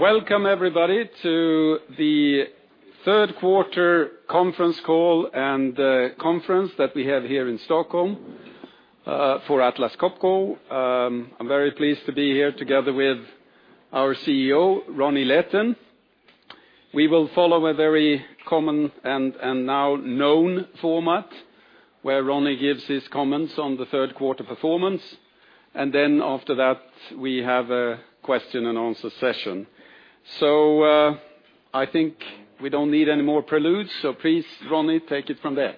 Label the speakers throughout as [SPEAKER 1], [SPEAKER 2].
[SPEAKER 1] Welcome everybody to the third quarter conference call and conference that we have here in Stockholm for Atlas Copco. I'm very pleased to be here together with our CEO, Ronnie Leten. We will follow a very common and now known format where Ronnie gives his comments on the third quarter performance, and then after that we have a question and answer session. I think we don't need any more prelude, so please, Ronnie, take it from there.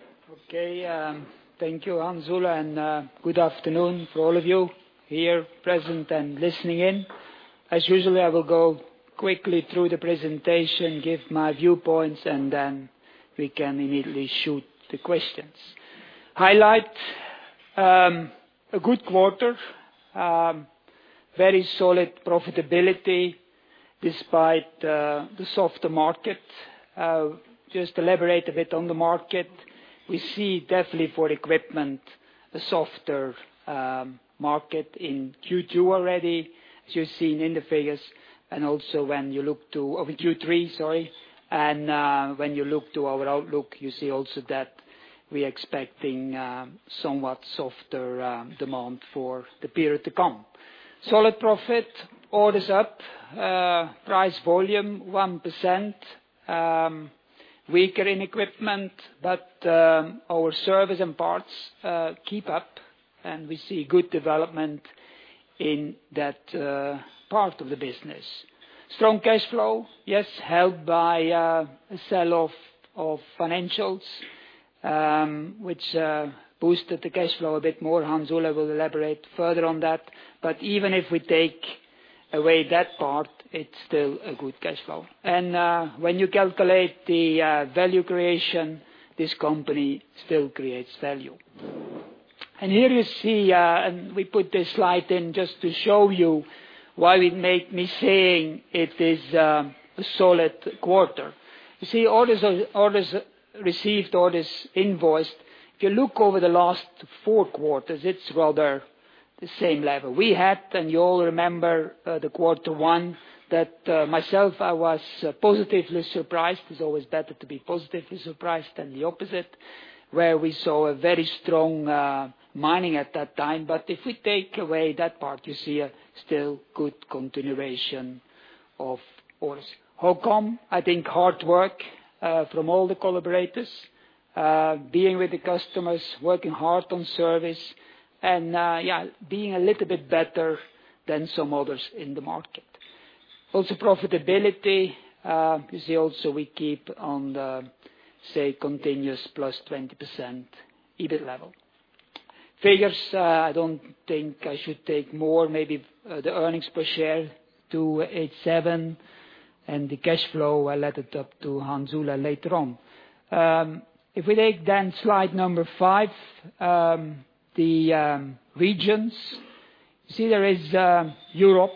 [SPEAKER 2] Okay. Thank you, Hans Ola, and good afternoon for all of you here present and listening in. As usually, I will go quickly through the presentation, give my viewpoints. Then we can immediately shoot the questions. Highlight: a good quarter. Very solid profitability despite the softer market. Just elaborate a bit on the market. We see definitely for equipment, a softer market in Q2 already, as you've seen in the figures, also when you look to Q3, sorry. When you look to our outlook, you see also that we are expecting somewhat softer demand for the period to come. Solid profit, orders up, price volume 1%, weaker in equipment. Our service and parts keep up, and we see good development in that part of the business. Strong cash flow, yes, helped by a sell-off of financials, which boosted the cash flow a bit more. Hans Ola will elaborate further on that, even if we take away that part, it's still a good cash flow. When you calculate the value creation, this company still creates value. Here you see, and we put this slide in just to show you why it make me saying it is a solid quarter. You see orders received, orders invoiced. If you look over the last four quarters, it's rather the same level. We had, and you all remember the quarter one, that myself, I was positively surprised. It's always better to be positively surprised than the opposite, where we saw a very strong mining at that time. If we take away that part, you see a still good continuation of orders. How come? I think hard work from all the collaborators, being with the customers, working hard on service and being a little bit better than some others in the market. Also profitability, you see also we keep on the, say, continuous plus 20% EBIT level. Figures, I don't think I should take more, maybe the earnings per share to 8.7. The cash flow, I'll let it up to Hans Ola later on. If we take then slide number five, the regions. You see there is Europe.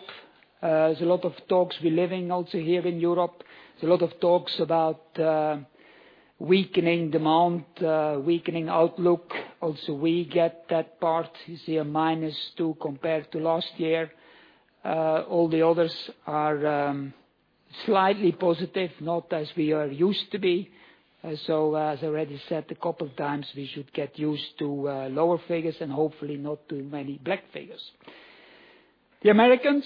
[SPEAKER 2] There's a lot of talks we're living also here in Europe. There's a lot of talks about weakening demand, weakening outlook. Also we get that part. You see a -2% compared to last year. All the others are slightly positive, not as we are used to be. As I already said a couple times, we should get used to lower figures and hopefully not too many black figures. The Americans,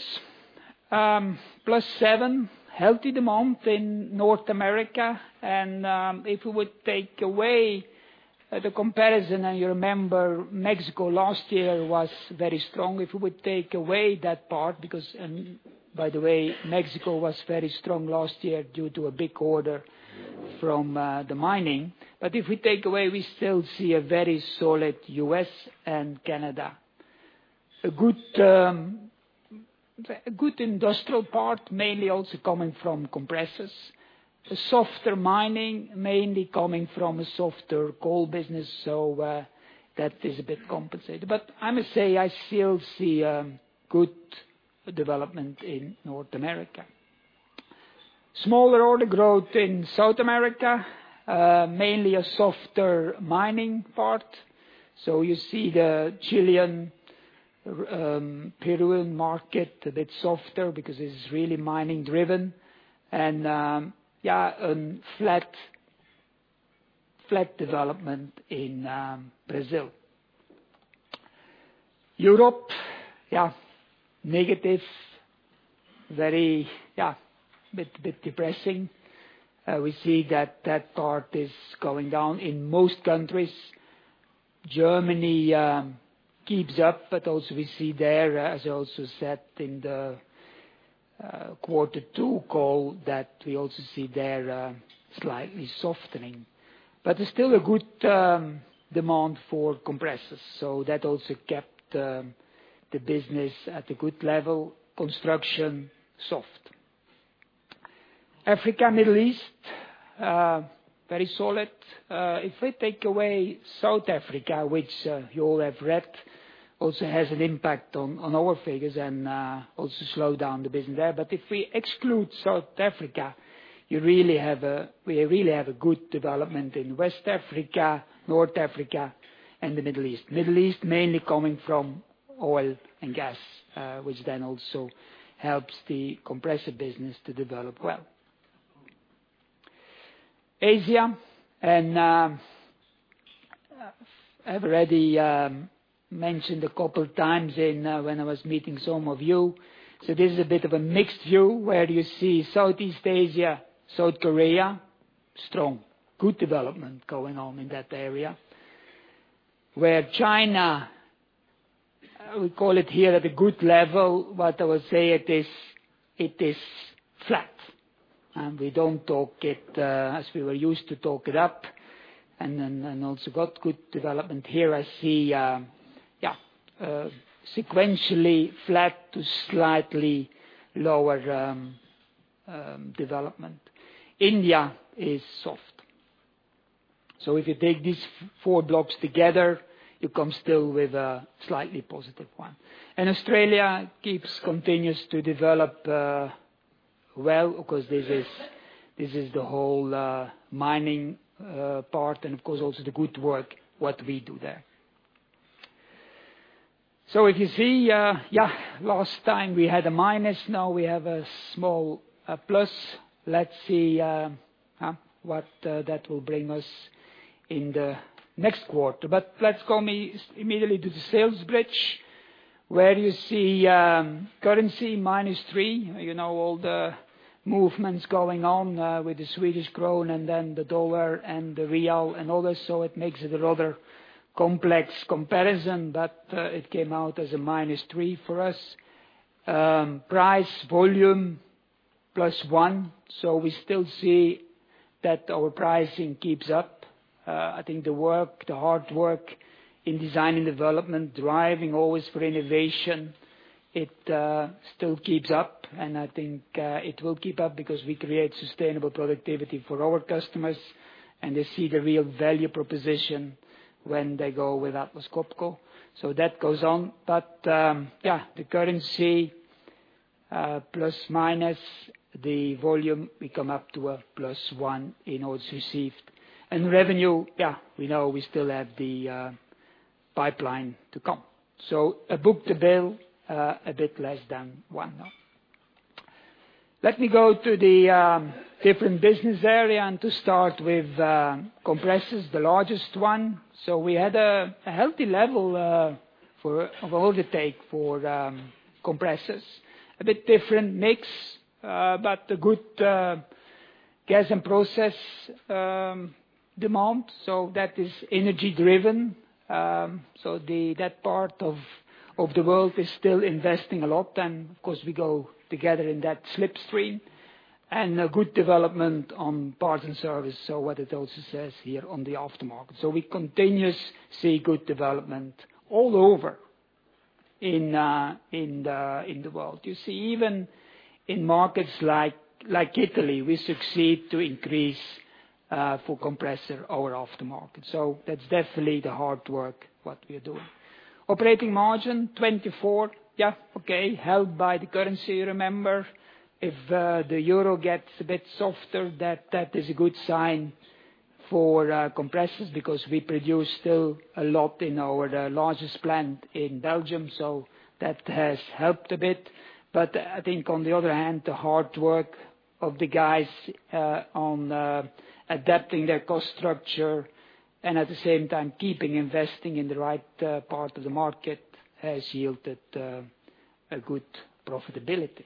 [SPEAKER 2] +7%, healthy demand in North America and if we would take away the comparison, and you remember Mexico last year was very strong. If we would take away that part because, by the way, Mexico was very strong last year due to a big order from the Mining. If we take away, we still see a very solid U.S. and Canada. A good industrial part, mainly also coming from compressors. A softer Mining, mainly coming from a softer coal business, that is a bit compensated. I must say, I still see good development in North America. Smaller order growth in South America, mainly a softer Mining part. You see the Chilean, Peruvian market a bit softer because it's really Mining driven. A flat development in Brazil. Europe. Negative. Very depressing. We see that part is going down in most countries. Germany keeps up, but also we see there, as I also said in the Q2 call, that we also see they're slightly softening. There's still a good demand for compressors, so that also kept the business at a good level. Construction, soft. Africa, Middle East, very solid. If we take away South Africa, which you all have read, also has an impact on our figures and also slowed down the business there. If we exclude South Africa, you really have a good development in West Africa, North Africa, and the Middle East. Middle East mainly coming from oil and gas, which then also helps the Compressor business to develop well. Asia, I've already mentioned a couple times when I was meeting some of you, this is a bit of a mixed view where you see Southeast Asia, South Korea, strong. Good development going on in that area. China, we call it here at a good level, but I will say it is flat, and we don't talk it as we were used to talk it up, and then also got good development here. I see sequentially flat to slightly lower development. India is soft. If you take these four blocks together, you come still with a slightly positive one. Australia continues to develop well because this is the whole Mining part and of course, also the good work, what we do there. If you see, last time we had a minus, now we have a small plus. Let's see what that will bring us in the next quarter. Let's go immediately to the sales bridge, where you see currency -3%. All the movements going on with the Swedish krona and then the dollar and the real and others, it makes it a rather complex comparison, but it came out as a -3% for us. Price volume +1%. We still see that our pricing keeps up. I think the hard work in design and development, driving always for innovation, it still keeps up, and I think it will keep up because we create sustainable productivity for our customers, and they see the real value proposition when they go with Atlas Copco. That goes on. The currency plus minus the volume, we come up to a +1% in orders received. Revenue, we know we still have the pipeline to come. A book to bill, a bit less than one now. Let me go to the different business area to start with Compressors, the largest one. We had a healthy level of order take for Compressors. A bit different mix, but a good gas and process demand. That is energy driven. That part of the world is still investing a lot and of course, we go together in that slipstream. A good development on parts and service, what it also says here on the aftermarket. We continuous see good development all over in the world. Even in markets like Italy, we succeed to increase for Compressor our aftermarket. That's definitely the hard work, what we are doing. Operating margin 24%. Held by the currency, remember. If the EUR gets a bit softer, that is a good sign for Compressors because we produce still a lot in our largest plant in Belgium. That has helped a bit. I think on the other hand, the hard work of the guys on adapting their cost structure and at the same time keeping investing in the right part of the market has yielded a good profitability.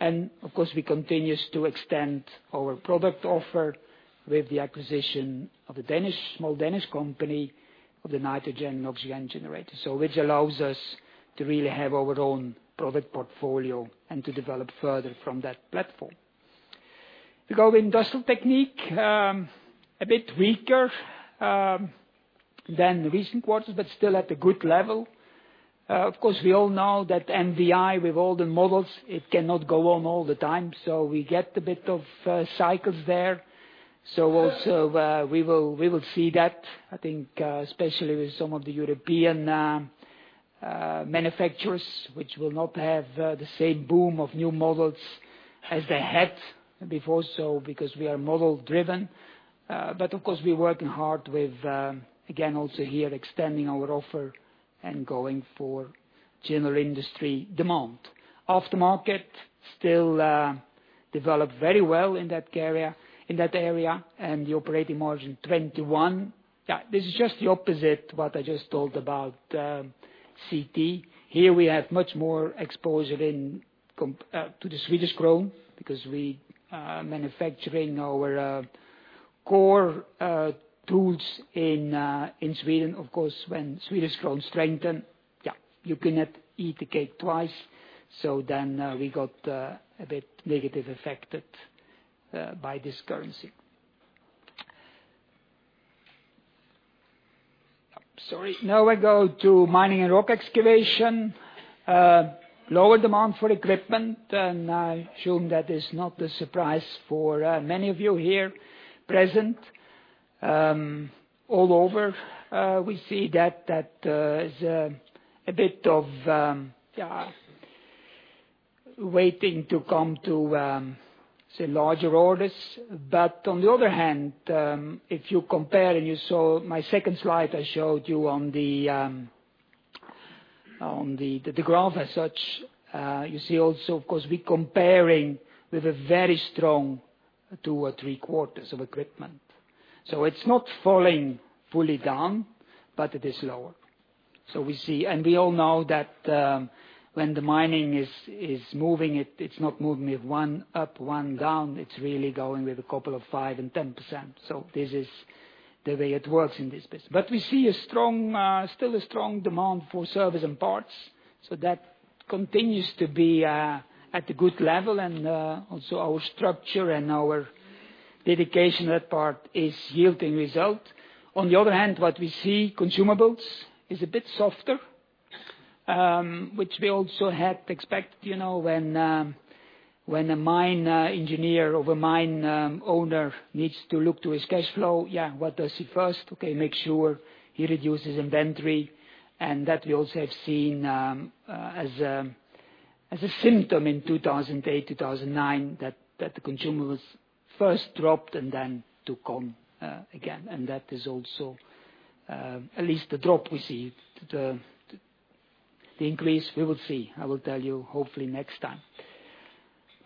[SPEAKER 2] Of course, we continuous to extend our product offer with the acquisition of the small Danish company of the nitrogen and oxygen generator. Which allows us to really have our own product portfolio and to develop further from that platform. We go Industrial Technique, a bit weaker than recent quarters, but still at a good level. Of course, we all know that MVI with all the models, it cannot go on all the time. We get a bit of cycles there. Also we will see that, I think especially with some of the European manufacturers, which will not have the same boom of new models as they had before. Because we are model driven. Of course we're working hard with again, also here extending our offer and going for general industry demand. Aftermarket still developed very well in that area, and the operating margin 21%. This is just the opposite what I just told about CT. Here we have much more exposure to the Swedish krona because we are manufacturing our core tools in Sweden. Of course, when Swedish krona strengthen, you cannot eat the cake twice. Then we got a bit negative affected by this currency. Sorry. Now I go to Mining and Rock Excavation. Lower demand for equipment, I assume that is not a surprise for many of you here present. All over we see that there's a bit of waiting to come to larger orders. On the other hand, if you compare and you saw my second slide I showed you on the graph as such, you see also, of course, we're comparing with a very strong two or three quarters of equipment. It's not falling fully down, but it is lower. We all know that when the mining is moving, it's not moving with one up, one down. It's really going with a couple of 5% and 10%. This is the way it works in this business. We see still a strong demand for service and parts. That continues to be at a good level. Also our structure and our dedication, that part is yielding result. On the other hand, what we see, consumables is a bit softer, which we also had expected. When a mine engineer or a mine owner needs to look to his cash flow, what does he first? Okay, make sure he reduces inventory. That we also have seen as a symptom in 2008, 2009, that the consumable first dropped and then to come again. That is also at least the drop we see. The increase, we will see. I will tell you hopefully next time.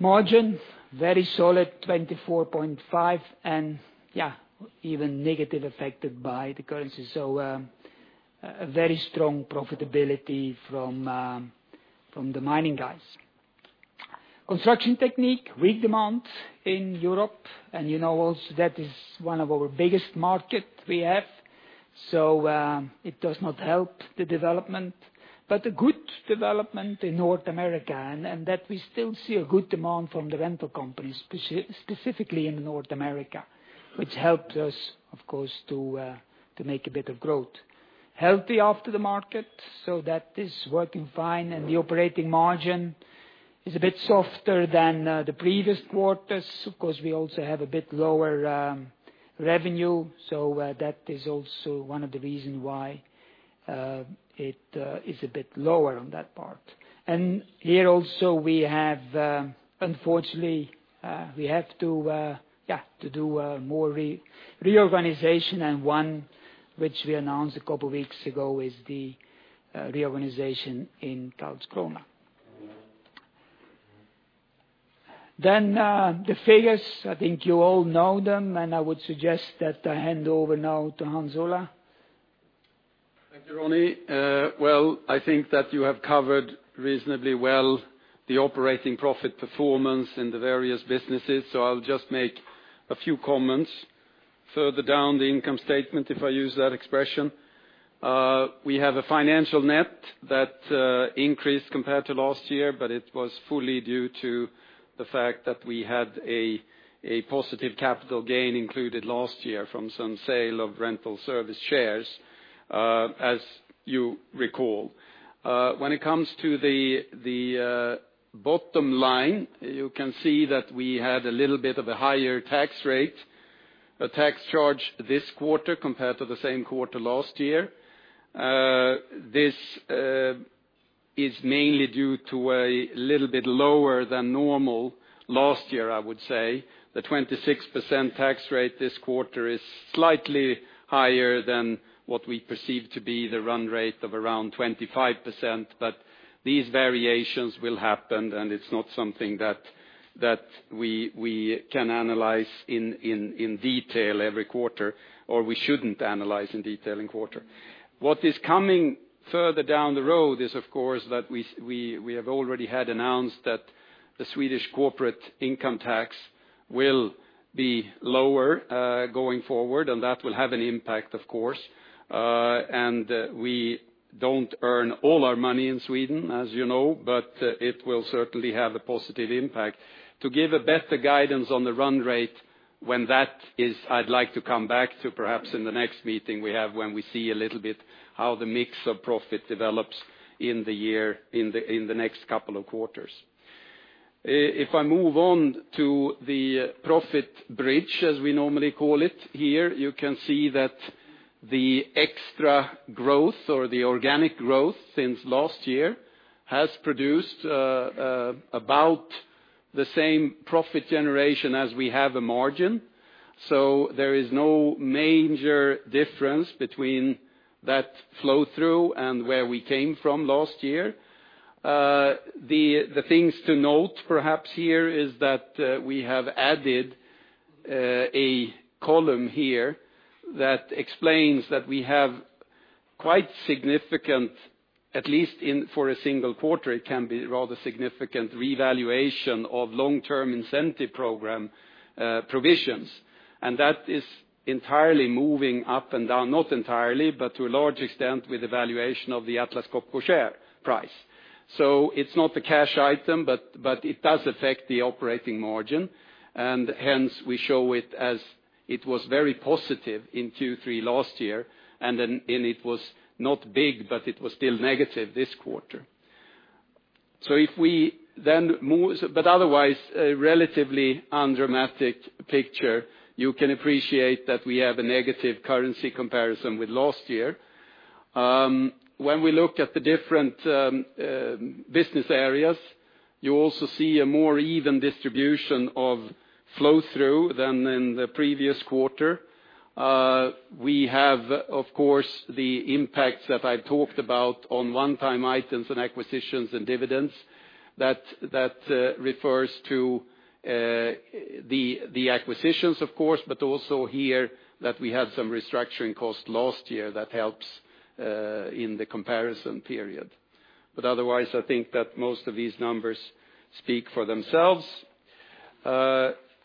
[SPEAKER 2] Margin, very solid, 24.5% and even negative affected by the currency. A very strong profitability from the mining guys. Construction Technique, weak demand in Europe. You know also that is one of our biggest market we have. It does not help the development, but a good development in North America, and that we still see a good demand from the rental companies, specifically in North America, which helped us, of course, to make a bit of growth. Healthy after the market, so that is working fine and the operating margin is a bit softer than the previous quarters. Of course, we also have a bit lower revenue, so that is also one of the reason why it is a bit lower on that part. Here also we have unfortunately we have to do more reorganization and one which we announced a couple of weeks ago is the reorganization in Karlskrona. The figures, I think you all know them, and I would suggest that I hand over now to Hans Ola.
[SPEAKER 1] Thank you, Ronnie. Well, I think that you have covered reasonably well the operating profit performance in the various businesses, so I'll just make a few comments. Further down the income statement, if I use that expression, we have a financial net that increased compared to last year, but it was fully due to the fact that we had a positive capital gain included last year from some sale of Rental Service shares, as you recall. When it comes to the bottom line, you can see that we had a little bit of a higher tax rate, a tax charge this quarter compared to the same quarter last year. This is mainly due to a little bit lower than normal last year, I would say. The 26% tax rate this quarter is slightly higher than what we perceive to be the run rate of around 25%, but these variations will happen, and it's not something that we can analyze in detail every quarter, or we shouldn't analyze in detail in quarter. What is coming further down the road is, of course, that we have already had announced that the Swedish corporate income tax will be lower going forward, and that will have an impact, of course. We don't earn all our money in Sweden, as you know, but it will certainly have a positive impact. To give a better guidance on the run rate when that is, I'd like to come back to perhaps in the next meeting we have when we see a little bit how the mix of profit develops in the next couple of quarters. If I move on to the profit bridge, as we normally call it here, you can see that the extra growth or the organic growth since last year has produced about the same profit generation as we have a margin. There is no major difference between that flow-through and where we came from last year. The things to note perhaps here is that we have added a column here that explains that we have quite significant, at least for a single quarter, it can be rather significant revaluation of Long-Term Incentive Program provisions. That is entirely moving up and down, not entirely, but to a large extent with the valuation of the Atlas Copco share price. It's not a cash item, but it does affect the operating margin, and hence we show it as it was very positive in Q3 last year, and it was not big, but it was still negative this quarter. Otherwise, a relatively undramatic picture. You can appreciate that we have a negative currency comparison with last year. When we look at the different business areas, you also see a more even distribution of flow-through than in the previous quarter. We have, of course, the impacts that I've talked about on one-time items and acquisitions and dividends that refers to the acquisitions, of course, but also here that we had some restructuring costs last year that helps in the comparison period. Otherwise, I think that most of these numbers speak for themselves.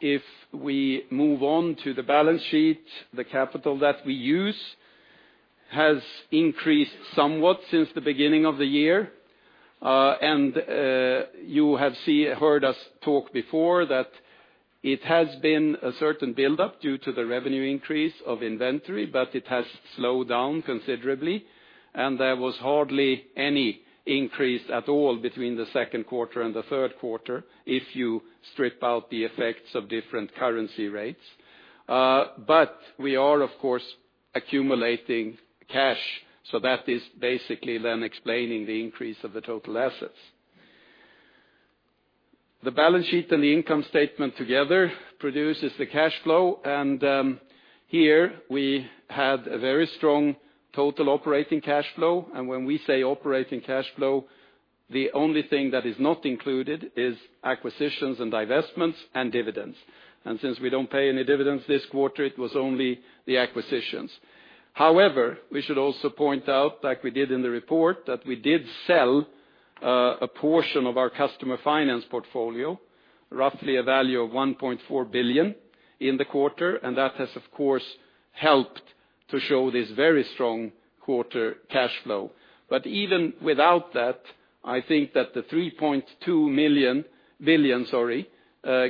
[SPEAKER 1] If we move on to the balance sheet, the capital that we use has increased somewhat since the beginning of the year. You have heard us talk before that it has been a certain buildup due to the revenue increase of inventory, but it has slowed down considerably, and there was hardly any increase at all between the second quarter and the third quarter if you strip out the effects of different currency rates. We are, of course, accumulating cash, so that is basically then explaining the increase of the total assets. The balance sheet and the income statement together produces the cash flow, and here we had a very strong total operating cash flow. When we say operating cash flow, the only thing that is not included is acquisitions and divestments and dividends. Since we don't pay any dividends this quarter, it was only the acquisitions. However, we should also point out, like we did in the report, that we did sell a portion of our Customer Finance Portfolio, roughly a value of 1.4 billion in the quarter, and that has, of course, helped to show this very strong quarter cash flow. Even without that, I think that the 3.2 billion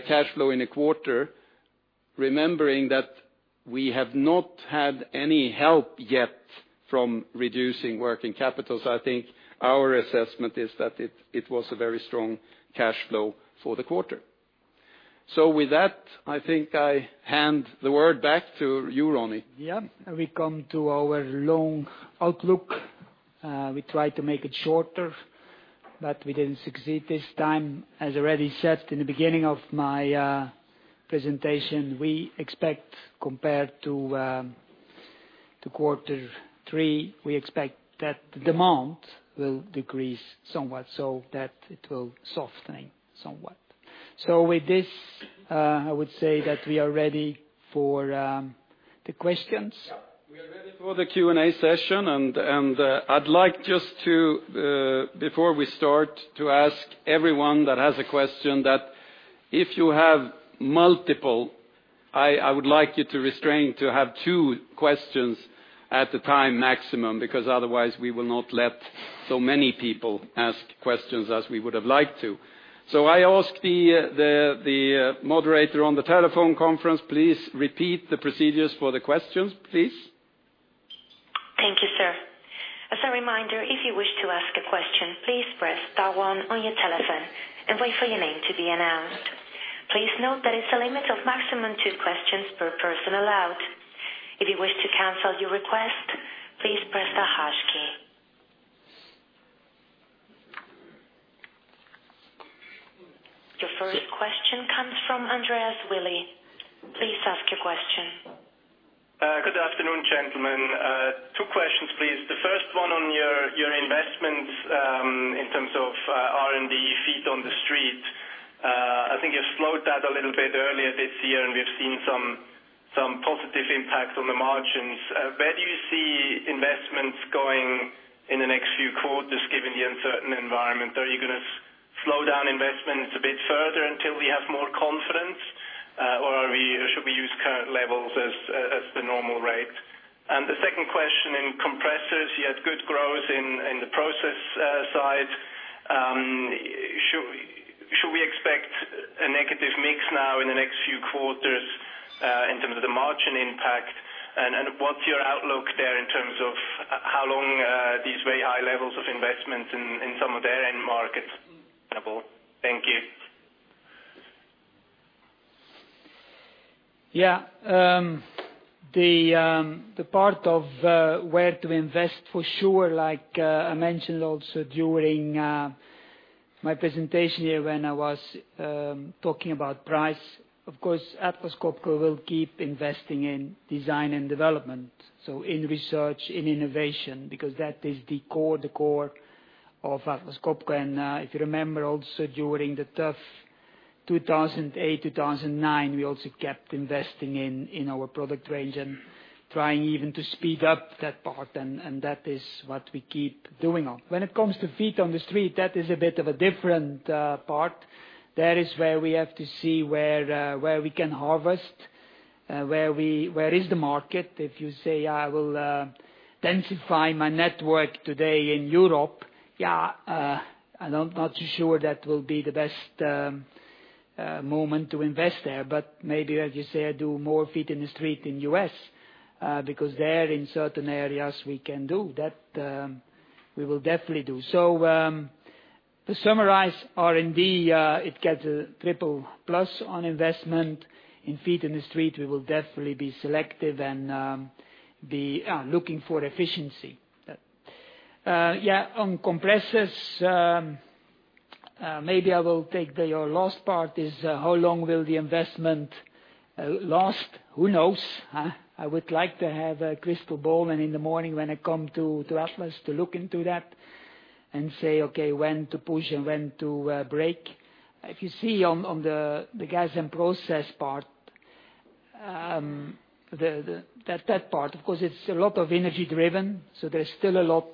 [SPEAKER 1] cash flow in a quarter, remembering that we have not had any help yet from reducing working capital. I think our assessment is that it was a very strong cash flow for the quarter. With that, I think I hand the word back to you, Ronnie.
[SPEAKER 2] Yeah. We come to our long outlook. We try to make it shorter, but we didn't succeed this time. As I already said in the beginning of my presentation, we expect compared to quarter three, we expect that the demand will decrease somewhat, so that it will softening somewhat. With this, I would say that we are ready for the questions.
[SPEAKER 1] Yeah. We are ready for the Q&A session, and I'd like just to, before we start, to ask everyone that has a question that if you have multiple, I would like you to restrain to have two questions at a time maximum, because otherwise we will not let so many people ask questions as we would have liked to. I ask the moderator on the telephone conference, please repeat the procedures for the questions, please.
[SPEAKER 3] Thank you, sir. As a reminder, if you wish to ask a question, please press star one on your telephone and wait for your name to be announced. Please note that it's a limit of maximum two questions per person allowed. If you wish to cancel your request, please press the hash key. Your first question comes from Andreas Willi. Please ask your question.
[SPEAKER 4] Good afternoon, gentlemen. Two questions, please. The first one on your investments in terms of R&D feet on the street. I think you've slowed that a little bit earlier this year, and we've seen some positive impacts on the margins. Where do you see investments going in the next few quarters, given the uncertain environment? Are you going to slow down investments a bit further until we have more confidence? Should we use current levels as the normal rate? The second question, in compressors, you had good growth in the process side. Should we expect a negative mix now in the next few quarters in terms of the margin impact? What's your outlook there in terms of how long these very high levels of investment in some of their end markets? Thank you.
[SPEAKER 2] Yeah. The part of where to invest for sure, like I mentioned also during my presentation here when I was talking about price, of course, Atlas Copco will keep investing in design and development. In research, in innovation, because that is the core of Atlas Copco. If you remember also during the tough 2008, 2009, we also kept investing in our product range and trying even to speed up that part, and that is what we keep doing on. When it comes to feet on the street, that is a bit of a different part. That is where we have to see where we can harvest, where is the market. If you say, I will densify my network today in Europe, yeah, I'm not too sure that will be the best moment to invest there. Maybe, as you say, I do more feet in the street in U.S., because there in certain areas, we can do. That we will definitely do. To summarize R&D, it gets a triple plus on investment. In feet in the street, we will definitely be selective and be looking for efficiency. On compressors, maybe I will take your last part is, how long will the investment last? Who knows? I would like to have a crystal ball, and in the morning when I come to Atlas, to look into that and say, "Okay, when to push and when to break." If you see on the gas and process part, that part, of course, it's a lot of energy driven, so there's still a lot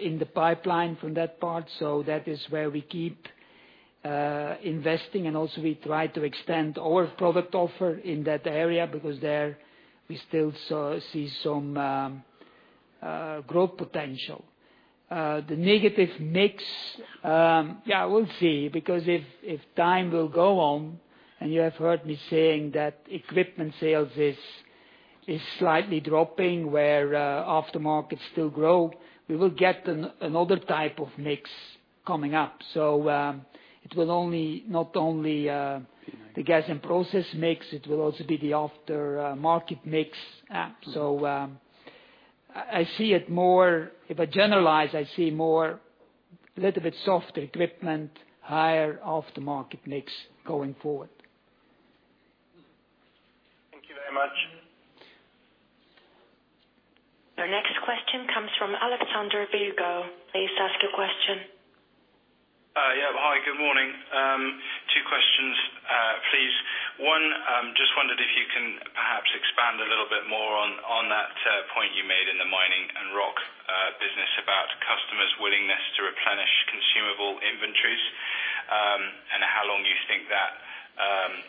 [SPEAKER 2] in the pipeline from that part. That is where we keep investing, and also we try to extend our product offer in that area, because there we still see some growth potential. The negative mix, we'll see, because if time will go on, and you have heard me saying that equipment sales is slightly dropping, where aftermarket still grow. We will get another type of mix coming up. It will not only the gas and process mix, it will also be the aftermarket mix. If I generalize, I see more little bit softer equipment, higher aftermarket mix going forward.
[SPEAKER 5] Thank you very much.
[SPEAKER 3] Your next question comes from Alexander Virgo. Please ask your question.
[SPEAKER 6] Hi, good morning. Two questions, please. One, just wondered if you can perhaps expand a little bit more on that point you made in the Mining and Rock business about customers' willingness to replenish consumable inventories, and how long you think that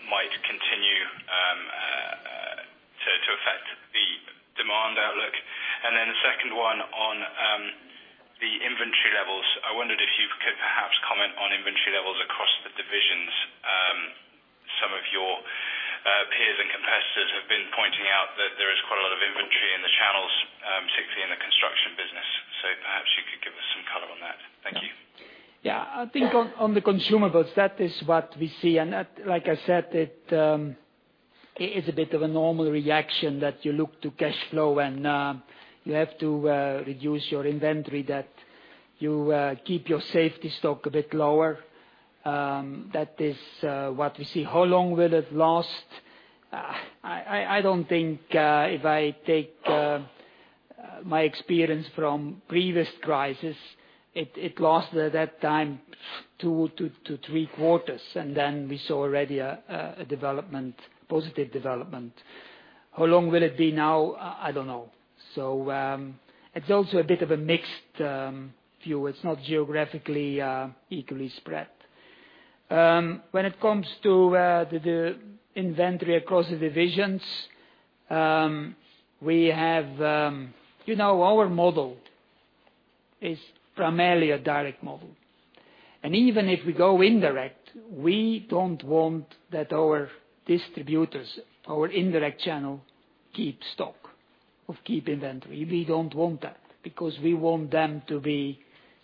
[SPEAKER 6] might continue to affect the demand outlook. The second one on the inventory levels. I wondered if you could perhaps comment on inventory levels across the divisions. Some of your peers and competitors have been pointing out that there is quite a lot of inventory in the channels, particularly in the Construction business. Perhaps you could give us some color on that. Thank you.
[SPEAKER 2] I think on the consumables, that is what we see. That, like I said, it is a bit of a normal reaction that you look to cash flow and you have to reduce your inventory, that you keep your safety stock a bit lower. That is what we see. How long will it last? I don't think, if I take my experience from previous crisis, it lasted that time two to three quarters, we saw already a positive development. How long will it be now? I don't know. It's also a bit of a mixed view. It's not geographically equally spread. When it comes to the inventory across the divisions, our model is primarily a direct model. Even if we go indirect, we don't want that our distributors, our indirect channel, keep inventory. We don't want that, because we want them to be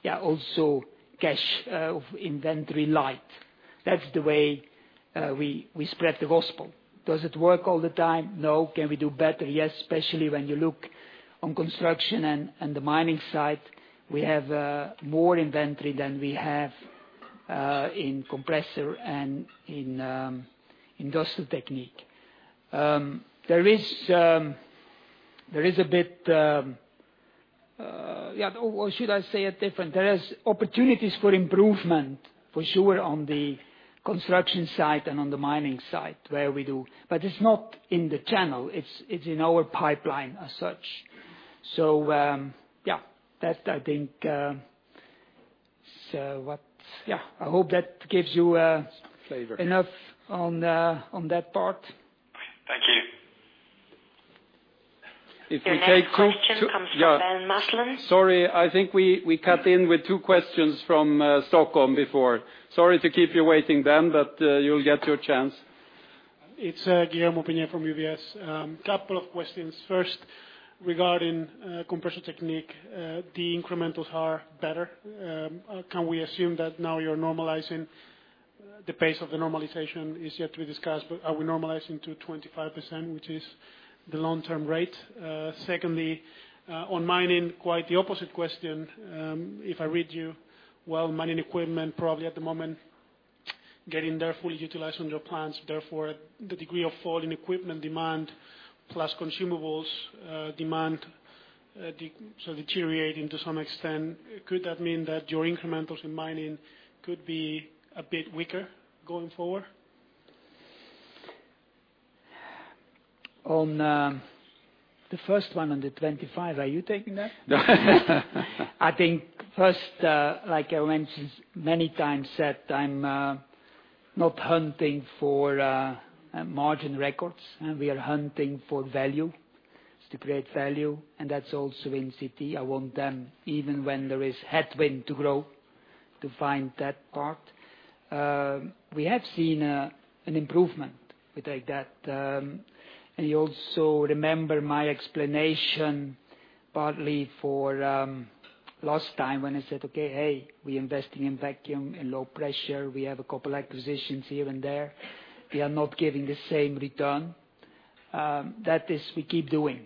[SPEAKER 2] also cash of inventory light. That's the way we spread the gospel. Does it work all the time? No. Can we do better? Yes. Especially when you look on Construction and the Mining side, we have more inventory than we have in Compressor Technique and in Industrial Technique. Or should I say it different? There is opportunities for improvement, for sure, on the Construction side and on the Mining side, where we do. It's not in the channel, it's in our pipeline as such. Yeah. I hope that gives you-
[SPEAKER 1] Flavor
[SPEAKER 2] enough on that part.
[SPEAKER 6] Thank you.
[SPEAKER 3] Your next question comes from Ben Maslen.
[SPEAKER 1] Sorry, I think we cut in with two questions from Stockholm before. Sorry to keep you waiting, Ben, but you'll get your chance.
[SPEAKER 7] It's Guillermo Peigneux from UBS. Couple of questions. First, regarding Compressor Technique, the incrementals are better. Can we assume that now you're normalizing the pace of the normalization is yet to be discussed, but are we normalizing to 25%, which is the long-term rate? Secondly, on mining, quite the opposite question. If I read you well, mining equipment probably at the moment getting there, fully utilized on your plants. Therefore, the degree of fall in equipment demand plus consumables demand, deteriorating to some extent. Could that mean that your incrementals in mining could be a bit weaker going forward?
[SPEAKER 2] On the first one, on the 25%, are you taking that? I think first, like I mentioned many times, that I'm not hunting for margin records. We are hunting for value. It's to create value, and that's also in CT. I want them, even when there is headwind to grow, to find that part. We have seen an improvement with that. You also remember my explanation partly for last time when I said, "Okay, hey, we're investing in vacuum, in low pressure. We have a couple acquisitions here and there. We are not getting the same return." That is, we keep doing.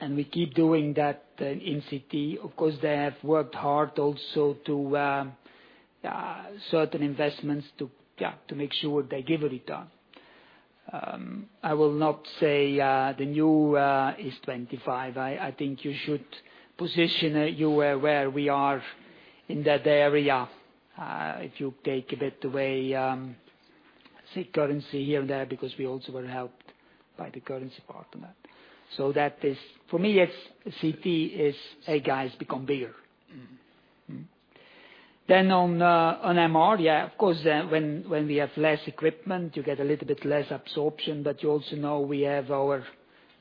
[SPEAKER 2] We keep doing that in CT. Of course, they have worked hard also to certain investments to make sure they give a return. I will not say the new is 25%. I think you should position it, you were aware we are in that area. If you take a bit away say currency here and there, because we also were helped by the currency part on that. That is, for me, it's CT is, hey, guys, become bigger. On MR, yeah, of course, when we have less equipment, you get a little bit less absorption, but you also know we have our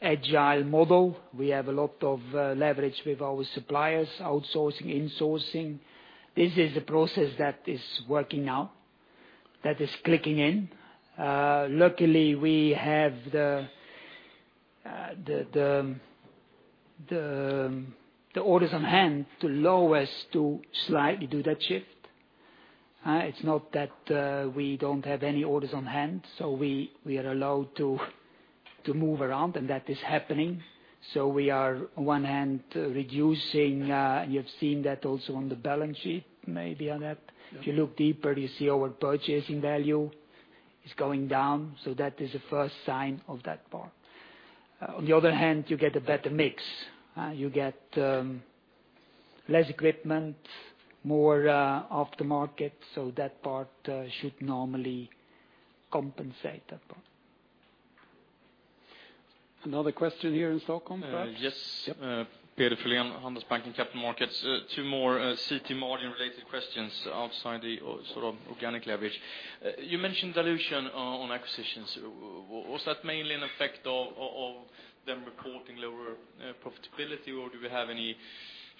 [SPEAKER 2] agile model. We have a lot of leverage with our suppliers, outsourcing, insourcing. This is a process that is working now, that is clicking in. Luckily, we have the orders on hand to allow us to slightly do that shift. It's not that we don't have any orders on hand, we are allowed to move around, and that is happening. We are on one hand reducing, you have seen that also on the balance sheet, maybe on that.
[SPEAKER 1] Yeah.
[SPEAKER 2] If you look deeper, you see our purchasing value is going down. That is the first sign of that part. On the other hand, you get a better mix. You get less equipment, more off the market. That part should normally compensate that part.
[SPEAKER 1] Another question here in Stockholm, perhaps?
[SPEAKER 8] Yes.
[SPEAKER 1] Yep.
[SPEAKER 8] Peter Frölén, Handelsbanken Capital Markets. Two more CT margin-related questions outside the organic leverage. You mentioned dilution on acquisitions. Was that mainly an effect of them reporting lower profitability, or do we have any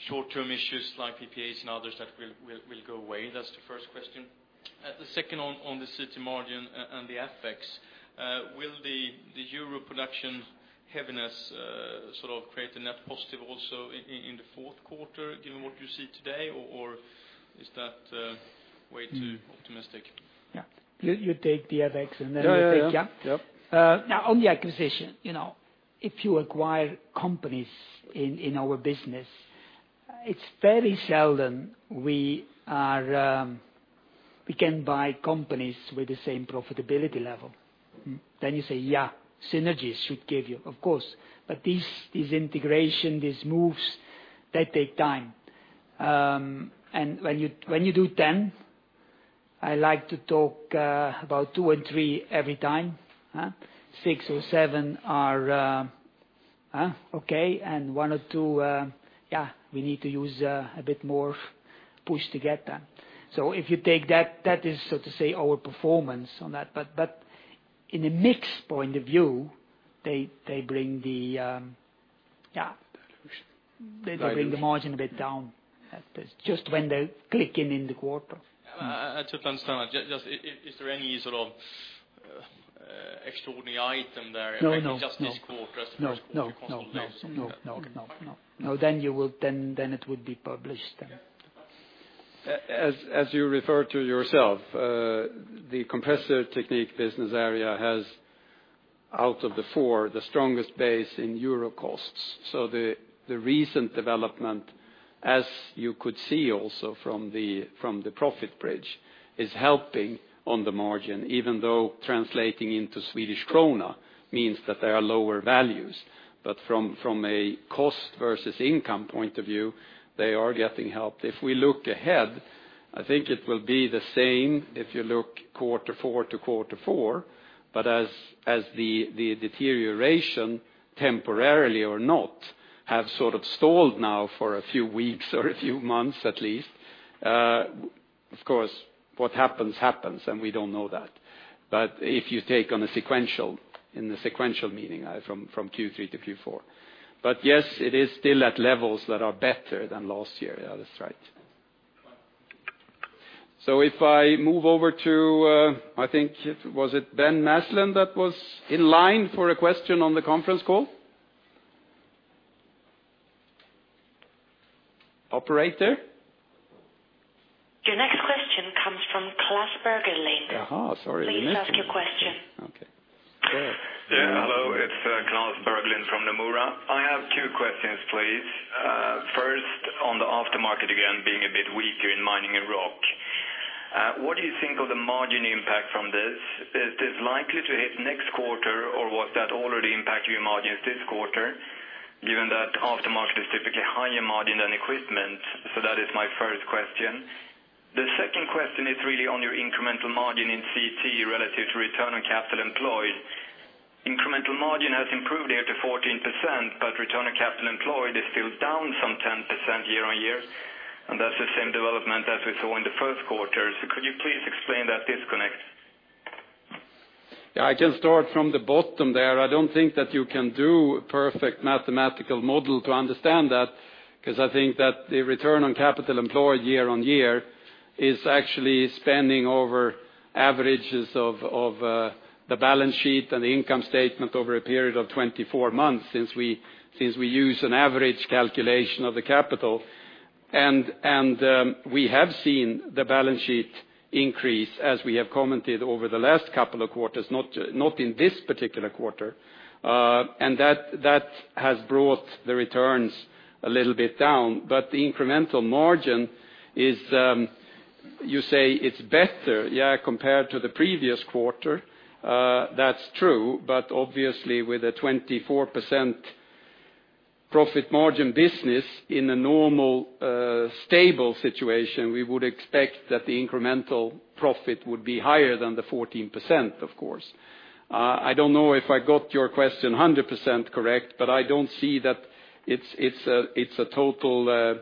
[SPEAKER 8] short-term issues like PPAs and others that will go away? That is the first question. The second one on the CT margin and the effects. Will the euro production heaviness sort of create a net positive also in the fourth quarter, given what you see today, or is that way too optimistic?
[SPEAKER 2] Yeah. You take the FX, and then you take
[SPEAKER 8] Yeah.
[SPEAKER 2] Yeah?
[SPEAKER 8] Yep.
[SPEAKER 2] On the acquisition. If you acquire companies in our business, it's very seldom we can buy companies with the same profitability level. You say, yeah, synergies should give you, of course. This integration, these moves, they take time. When you do 10, I like to talk about two and three every time. Six or seven are okay, and one or two, yeah, we need to use a bit more push to get them. If you take that is so to say our performance on that. In a mix point of view, they bring the-
[SPEAKER 1] Dilution
[SPEAKER 2] yeah.
[SPEAKER 1] Value.
[SPEAKER 2] They bring the margin a bit down. Just when they're clicking in the quarter.
[SPEAKER 8] I understand. Just is there any sort of extraordinary item there-
[SPEAKER 2] No
[SPEAKER 8] just this quarter as opposed to constantly seeing that?
[SPEAKER 2] No. No. It would be published then.
[SPEAKER 1] As you refer to yourself, the Compressor Technique business area has, out of the four, the strongest base in euro costs. The recent development, as you could see also from the profit bridge, is helping on the margin, even though translating into Swedish krona means that there are lower values. From a cost versus income point of view, they are getting helped. If we look ahead, I think it will be the same if you look quarter four to quarter four, but as the deterioration temporarily or not, have sort of stalled now for a few weeks or a few months at least, of course, what happens, and we don't know that. If you take on a sequential, in the sequential meaning from Q3 to Q4. Yes, it is still at levels that are better than last year. Yeah, that's right.
[SPEAKER 8] Right.
[SPEAKER 1] If I move over to, I think, was it Ben Maslen that was in line for a question on the conference call? Operator?
[SPEAKER 3] Your next question comes from Klas Bergelind.
[SPEAKER 1] Aha, sorry we missed you.
[SPEAKER 3] Please ask your question.
[SPEAKER 1] Okay. Go ahead.
[SPEAKER 9] Yeah, hello, it's Klas Bergelind from Nomura. I have two questions, please. First, on the aftermarket again, being a bit weaker in Mining and Rock. What do you think of the margin impact from this? Is this likely to hit next quarter, or was that already impacting your margins this quarter, given that aftermarket is typically higher margin than equipment? That is my first question. The second question is really on your incremental margin in CT relative to return on capital employed. Incremental margin has improved here to 14%, but return on capital employed is still down some 10% year-on-year. That's the same development as we saw in the first quarter. Could you please explain that disconnect?
[SPEAKER 1] Yeah, I can start from the bottom there. I don't think that you can do a perfect mathematical model to understand that, because I think that the return on capital employed year-on-year is actually spanning over averages of the balance sheet and the income statement over a period of 24 months since we use an average calculation of the capital. We have seen the balance sheet increase as we have commented over the last couple of quarters, not in this particular quarter, and that has brought the returns a little bit down. The incremental margin is, you say it's better, yeah, compared to the previous quarter. That's true, but obviously with a 24% profit margin business in a normal stable situation, we would expect that the incremental profit would be higher than the 14%, of course. I don't know if I got your question 100% correct, but I don't see that it's a total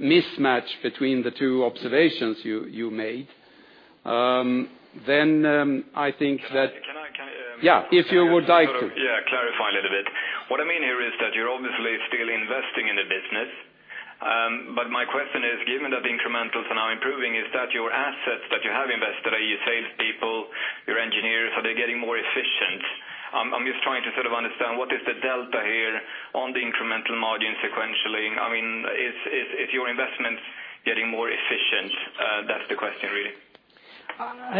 [SPEAKER 1] mismatch between the two observations you made. I think that.
[SPEAKER 9] Can I--
[SPEAKER 1] Yeah, if you would like to.
[SPEAKER 9] Clarify a little bit. What I mean here is that you're obviously still investing in the business. My question is, given that the incrementals are now improving, is that your assets that you have invested, are your salespeople, your engineers, are they getting more efficient? I'm just trying to understand what is the delta here on the incremental margin sequentially? Is your investments getting more efficient? That's the question, really.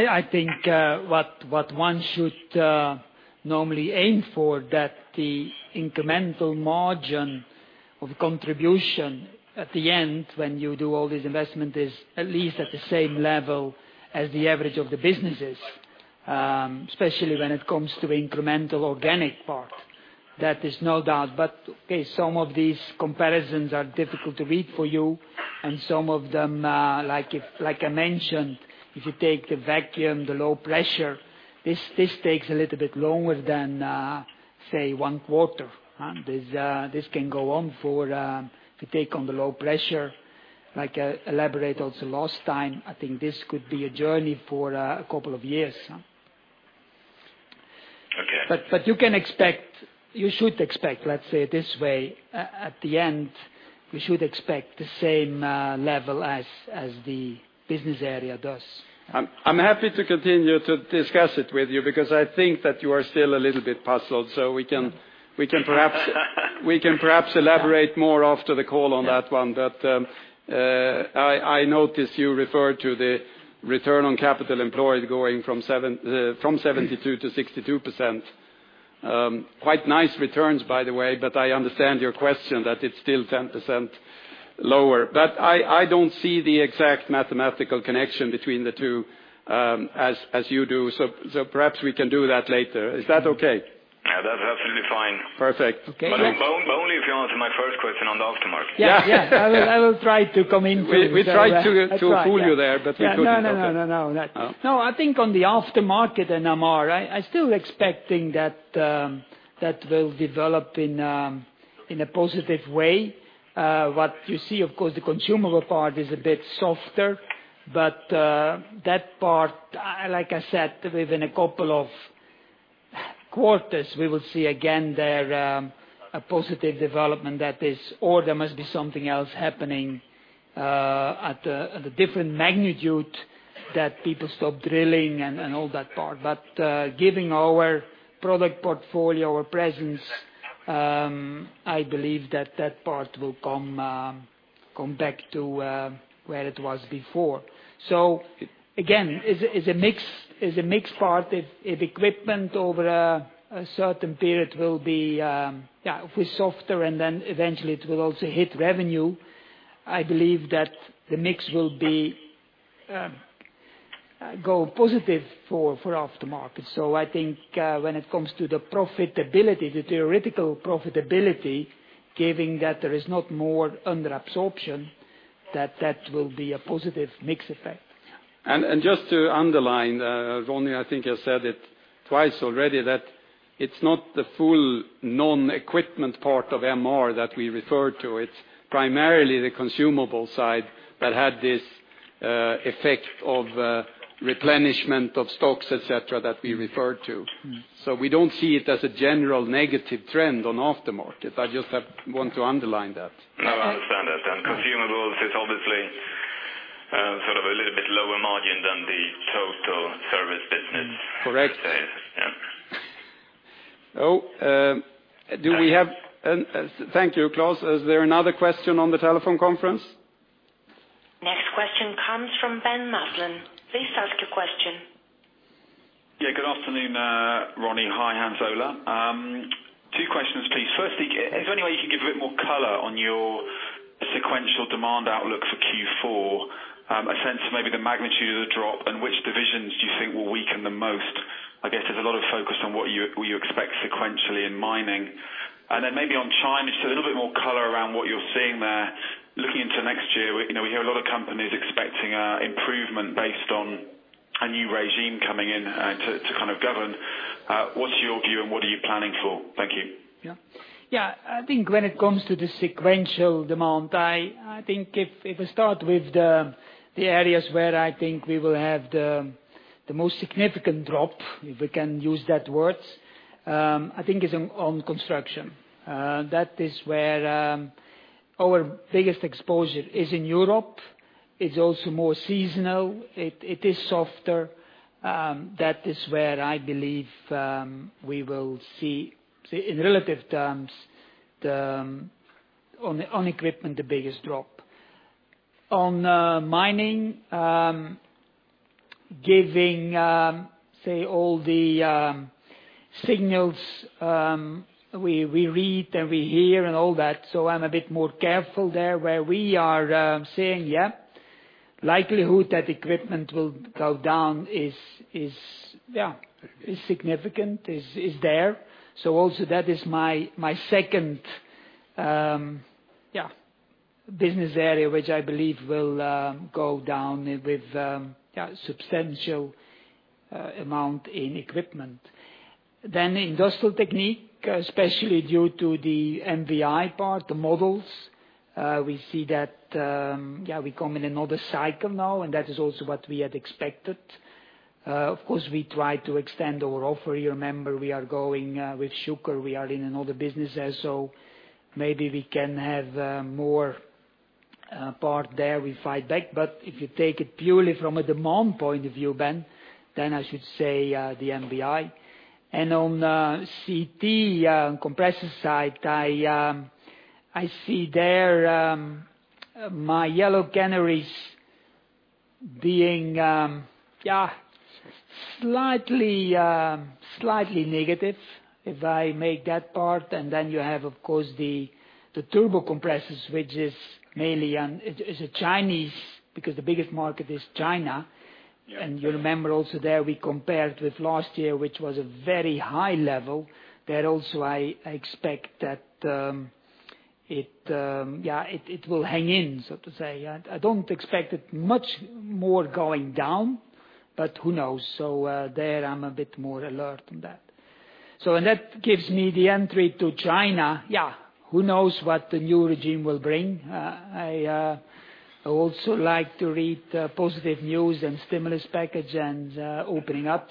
[SPEAKER 2] I think what one should normally aim for that the incremental margin of contribution at the end when you do all this investment is at least at the same level as the average of the businesses, especially when it comes to incremental organic part. That is no doubt. Okay, some of these comparisons are difficult to read for you and some of them, like I mentioned, if you take the vacuum, the low pressure, this takes a little bit longer than, say, one quarter. This can go on for, if you take on the low pressure, like I elaborated also last time, I think this could be a journey for a couple of years.
[SPEAKER 9] Okay.
[SPEAKER 2] You should expect, let's say this way, at the end, we should expect the same level as the business area does.
[SPEAKER 1] I'm happy to continue to discuss it with you because I think that you are still a little bit puzzled. We can perhaps elaborate more after the call on that one. I noticed you referred to the return on capital employed going from 72% to 62%. Quite nice returns, by the way, but I understand your question that it's still 10% lower. I don't see the exact mathematical connection between the two as you do. Perhaps we can do that later. Is that okay?
[SPEAKER 9] Yeah. That's absolutely fine.
[SPEAKER 1] Perfect.
[SPEAKER 2] Okay.
[SPEAKER 9] Only if you answer my first question on the aftermarket.
[SPEAKER 1] Yeah
[SPEAKER 2] Yeah. I will try to come into it.
[SPEAKER 1] We tried to fool you there, but we couldn't.
[SPEAKER 2] No. I think on the aftermarket NMR, I still expecting that will develop in a positive way. What you see, of course, the consumable part is a bit softer, but that part, like I said, within a couple of quarters, we will see again there a positive development that is, or there must be something else happening at a different magnitude that people stop drilling and all that part. Given our product portfolio, our presence, I believe that part will come back to where it was before. Again, is a mixed part. If equipment over a certain period will be softer and then eventually it will also hit revenue, I believe that the mix will go positive for aftermarket. I think when it comes to the profitability, the theoretical profitability, given that there is not more under absorption, that will be a positive mix effect.
[SPEAKER 1] Just to underline, Ronnie, I think you said it twice already, that it's not the full non-equipment part of MR that we refer to. It's primarily the consumable side that had this effect of replenishment of stocks, et cetera, that we referred to. We don't see it as a general negative trend on aftermarket. I just want to underline that.
[SPEAKER 9] No, I understand that. Consumables is obviously sort of a little bit lower margin than the total service business.
[SPEAKER 1] Correct.
[SPEAKER 9] Yeah.
[SPEAKER 1] Thank you, Klas. Is there another question on the telephone conference?
[SPEAKER 3] Next question comes from Ben Maslen. Please ask your question.
[SPEAKER 10] Yeah, good afternoon, Ronnie. Hi, Hans Ola. 2 questions, please. Firstly, is there any way you can give a bit more color on your sequential demand outlook for Q4? A sense of maybe the magnitude of the drop, and which divisions do you think will weaken the most? I guess there's a lot of focus on what you expect sequentially in mining. Maybe on China, just a little bit more color around what you're seeing there looking into next year. We hear a lot of companies expecting improvement based on a new regime coming in to govern. What's your view, and what are you planning for? Thank you.
[SPEAKER 2] Yeah. I think when it comes to the sequential demand, if we start with the areas where I think we will have the most significant drop, if we can use that word, I think is on construction. That is where our biggest exposure is in Europe. It's also more seasonal. It is softer. That is where I believe we will see, in relative terms on equipment, the biggest drop. On mining, giving all the signals we read and we hear and all that, so I'm a bit more careful there where we are saying, yeah, likelihood that equipment will go down is significant, is there. That is my second business area which I believe will go down with substantial amount in equipment. Industrial Technique, especially due to the MVI part, the models, we see that we come in another cycle now, and that is also what we had expected. Of course, we try to extend our offer. You remember we are going with Schucker. We are in another business there, so maybe we can have more part there. We fight back. If you take it purely from a demand point of view, Ben, I should say, the MVI. On CT, compressor side, I see there my yellow canaries being slightly negative if I make that part. Then you have, of course, the turbo compressors, which is a Chinese. The biggest market is China.
[SPEAKER 10] Yeah.
[SPEAKER 2] You remember also there, we compared with last year, which was a very high level. There also, I expect that it will hang in, so to say. I don't expect it much more going down, but who knows? There, I'm a bit more alert on that. That gives me the entry to China. Yeah, who knows what the new regime will bring? I also like to read positive news and stimulus package and opening up.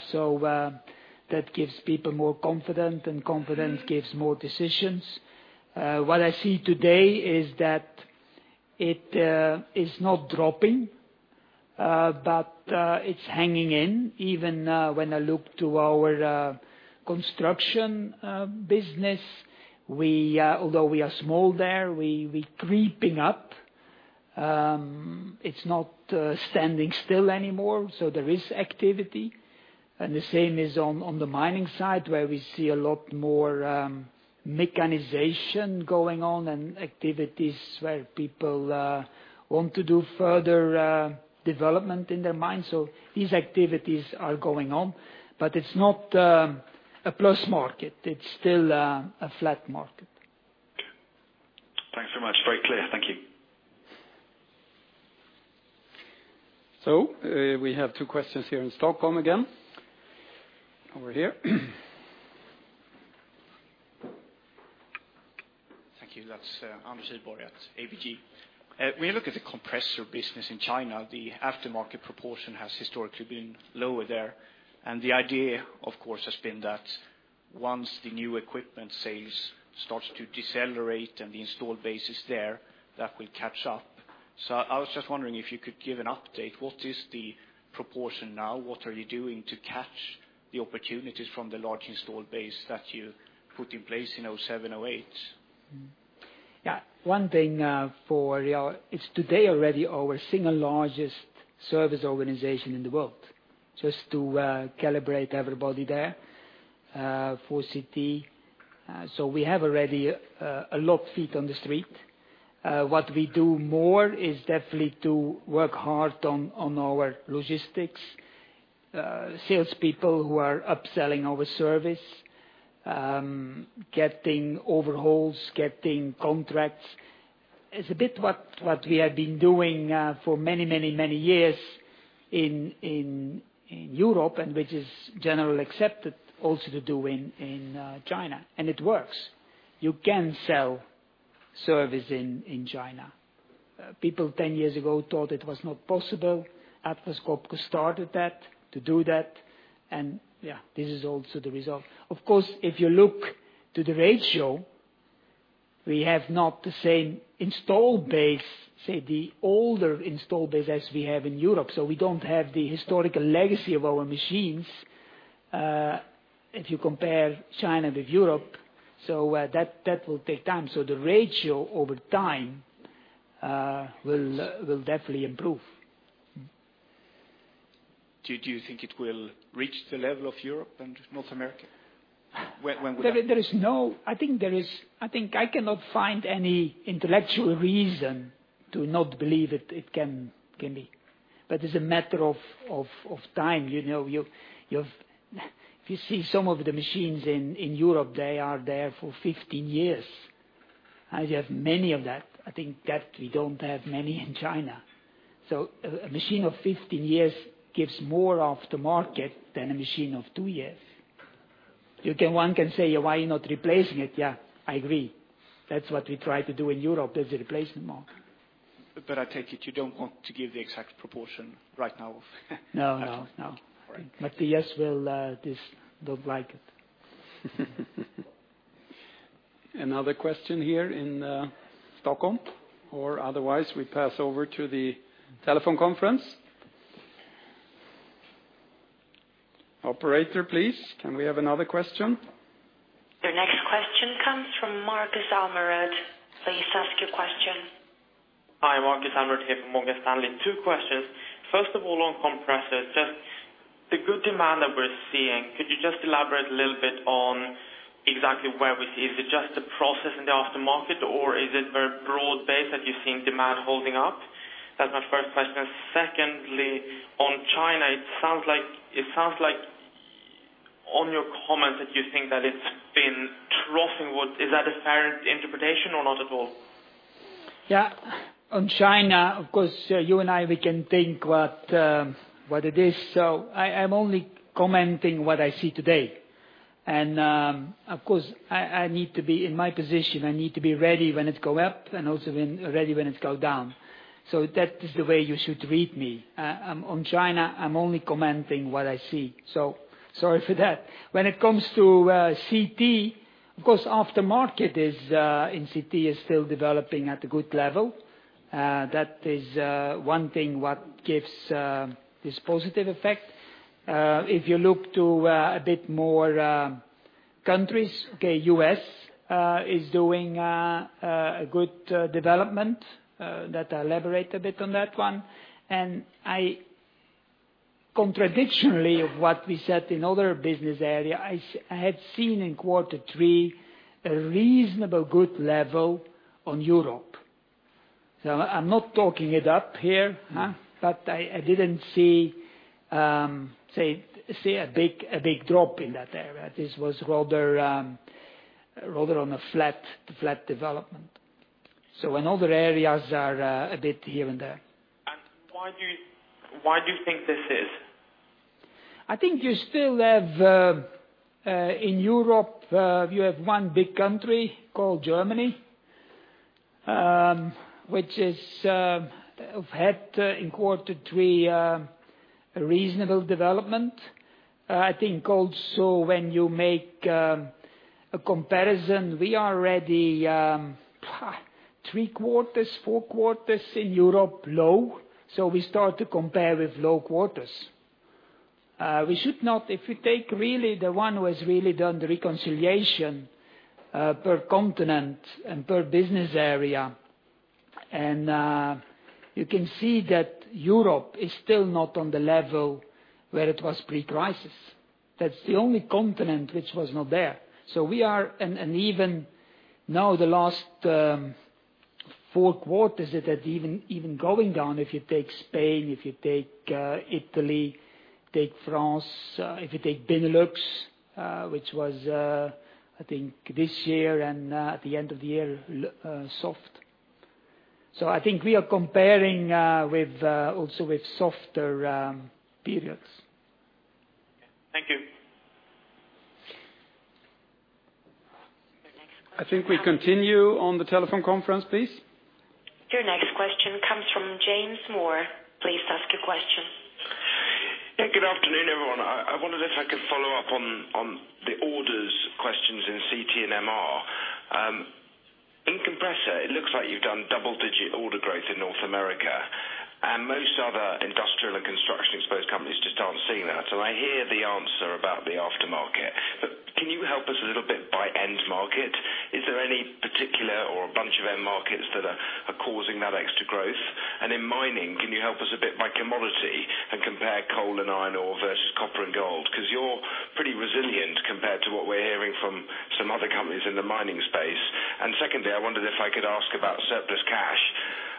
[SPEAKER 2] That gives people more confidence, and confidence gives more decisions. What I see today is that it is not dropping, but it's hanging in. Even when I look to our construction business, although we are small there, we're creeping up. It's not standing still anymore, so there is activity. The same is on the mining side, where we see a lot more mechanization going on and activities where people want to do further development in their mine. These activities are going on, but it's not a plus market. It's still a flat market.
[SPEAKER 10] Okay. Thanks so much. Very clear. Thank you.
[SPEAKER 2] We have two questions here in Stockholm again. Over here.
[SPEAKER 11] Thank you. That's Anders Idborg at ABG. When you look at the compressor business in China, the aftermarket proportion has historically been lower there, and the idea, of course, has been that once the new equipment sales starts to decelerate and the installed base is there, that will catch up. I was just wondering if you could give an update. What is the proportion now? What are you doing to catch the opportunities from the large installed base that you put in place in 2007, 2008?
[SPEAKER 2] One thing for you all. It's today already our single largest service organization in the world, just to calibrate everybody there for CT. We have already a lot feet on the street. What we do more is definitely to work hard on our logistics, salespeople who are upselling our service, getting overhauls, getting contracts. It's a bit what we have been doing for many years in Europe, and which is generally accepted also to do in China, and it works. You can sell service in China. People 10 years ago thought it was not possible. Atlas Copco started to do that, and this is also the result. Of course, if you look to the ratio, we have not the same installed base, say, the older installed base as we have in Europe. We don't have the historical legacy of our machines if you compare China with Europe, so that will take time. The ratio over time will definitely improve.
[SPEAKER 11] Do you think it will reach the level of Europe and North America? When would that be?
[SPEAKER 2] I think I cannot find any intellectual reason to not believe it can be. It's a matter of time. If you see some of the machines in Europe, they are there for 15 years I have many of that. I think that we don't have many in China. A machine of 15 years gives more of the market than a machine of two years. One can say, "Why are you not replacing it?" Yeah, I agree. That's what we try to do in Europe, is the replacement market.
[SPEAKER 11] I take it you don't want to give the exact proportion right now.
[SPEAKER 2] No.
[SPEAKER 11] All right.
[SPEAKER 2] Mattias will just don't like it.
[SPEAKER 1] Another question here in Stockholm, or otherwise, we pass over to the telephone conference. Operator, please, can we have another question?
[SPEAKER 3] Your next question comes from Markus Almerud. Please ask your question.
[SPEAKER 12] Hi, Markus Almerud here from Morgan Stanley. Two questions. First of all, on compressors, just the good demand that we're seeing, could you just elaborate a little bit on exactly where Is it just the process in the aftermarket, or is it very broad-based that you're seeing demand holding up? That's my first question. Secondly, on China, it sounds like on your comment that you think that it's been troughing. Is that a fair interpretation or not at all?
[SPEAKER 2] On China, of course, you and I, we can think what it is. I'm only commenting what I see today. Of course, I need to be in my position. I need to be ready when it go up and also ready when it go down. That is the way you should read me. On China, I'm only commenting what I see. Sorry for that. When it comes to CT, of course, aftermarket in CT is still developing at a good level. That is one thing what gives this positive effect. If you look to a bit more countries, U.S. is doing a good development that I elaborate a bit on that one. I contradictionally of what we said in other business area, I had seen in quarter three a reasonable good level on Europe. I'm not talking it up here. I didn't see a big drop in that area. This was rather on a flat development. When other areas are a bit here and there.
[SPEAKER 12] Why do you think this is?
[SPEAKER 2] I think you still have, in Europe, you have one big country called Germany, which has had in quarter three a reasonable development. I think also when you make a comparison, we are already three quarters, four quarters in Europe low, we start to compare with low quarters. We should not, if you take really the one who has really done the reconciliation per continent and per business area, and you can see that Europe is still not on the level where it was pre-crisis. That's the only continent which was not there. We are in an even now the last four quarters it had even going down, if you take Spain, if you take Italy, take France, if you take Benelux which was, I think, this year and at the end of the year soft. I think we are comparing also with softer periods.
[SPEAKER 12] Thank you.
[SPEAKER 3] Your next question-
[SPEAKER 1] I think we continue on the telephone conference, please.
[SPEAKER 3] Your next question comes from James Moore. Please ask your question.
[SPEAKER 5] Yeah, good afternoon, everyone. I wondered if I could follow up on the orders questions in CT and MR. In Compressor Technique, it looks like you've done double-digit order growth in North America, and most other industrial and construction exposed companies just aren't seeing that. I hear the answer about the aftermarket, but can you help us a little bit by end market? Is there any particular or a bunch of end markets that are causing that extra growth? In Mining and Rock Excavation Technique, can you help us a bit by commodity and compare coal and iron ore versus copper and gold? Because you're pretty resilient compared to what we're hearing from some other companies in the mining space. Secondly, I wondered if I could ask about surplus cash.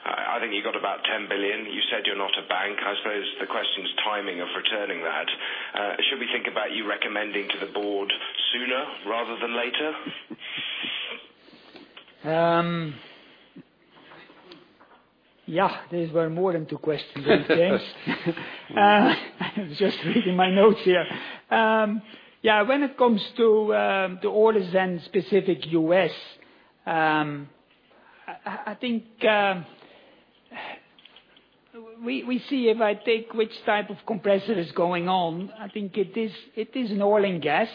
[SPEAKER 5] I think you got about 10 billion. You said you're not a bank. I suppose the question is timing of returning that. Should we think about you recommending to the board sooner rather than later?
[SPEAKER 2] Yeah. These were more than two questions there, James. I'm just reading my notes here. When it comes to orders and specific U.S., I think we see if I take which type of compressor is going on, I think it is an oil and gas.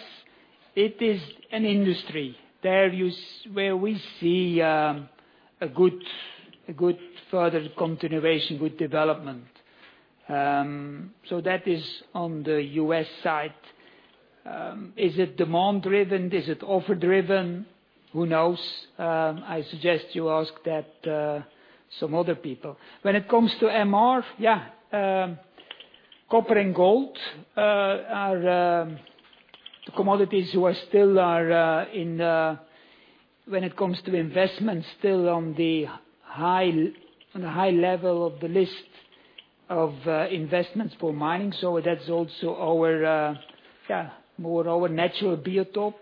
[SPEAKER 2] It is an industry where we see a good further continuation, good development. That is on the U.S. side. Is it demand driven? Is it offer driven? Who knows? I suggest you ask that some other people. When it comes to MR, copper and gold are the commodities who are still in, when it comes to investment, still on the high level of the list of investments for mining. That's also more our natural biotope,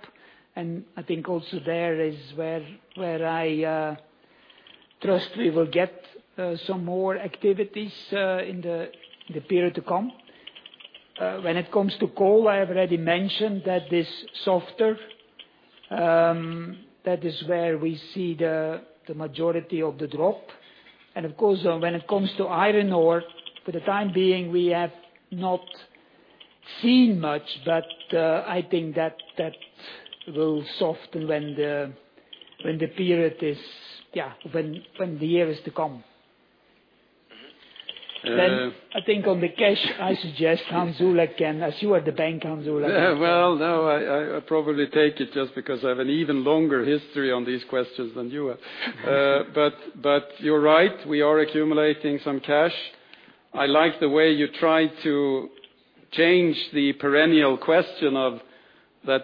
[SPEAKER 2] and I think also there is where I trust we will get some more activities in the period to come. When it comes to coal, I have already mentioned that is softer. That is where we see the majority of the drop. Of course, when it comes to iron ore, for the time being, we have not seen much, but I think that will soften when the year is to come. I think on the cash I suggest Hans Ola can, as you are the bank, Hans Ola.
[SPEAKER 1] Yeah. Well, no, I probably take it just because I have an even longer history on these questions than you have. You're right, we are accumulating some cash. I like the way you try to change the perennial question of that